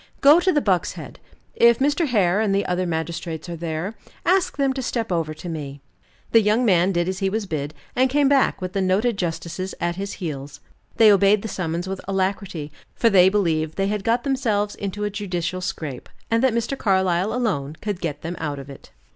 "Go to the Buck's Head. If Mr. Hare and the other magistrates are there, ask them to step over to me." The young man did as he was bid, and came back with the noted justices at his heels. They obeyed the summons with alacrity, for they believed they had got themselves into a judicial scrape, and that Mr. Carlyle alone could get them out of it.